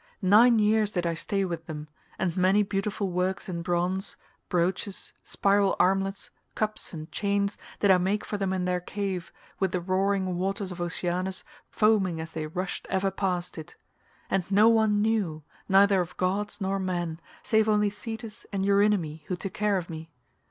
Nine years did I stay with them, and many beautiful works in bronze, brooches, spiral armlets, cups, and chains, did I make for them in their cave, with the roaring waters of Oceanus foaming as they rushed ever past it; and no one knew, neither of gods nor men, save only Thetis and Eurynome who took care of me.